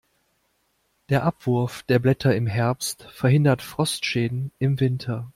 Der Abwurf der Blätter im Herbst verhindert Frostschäden im Winter.